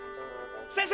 先生！